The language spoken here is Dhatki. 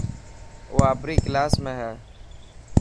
او آپري ڪلاس ۾ هي.